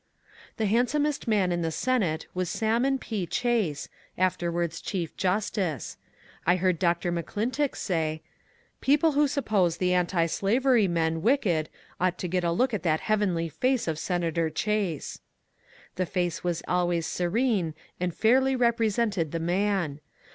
The handsomest man in the Senate was Salmon P. Chase, afterwards chief justice. I heard Dr. McClintock say :*^ Peou pie who suppose the antislavery men wicked ought to get a look at that heavenly face of Senator Chase." The face was always serene and fairly represented the man.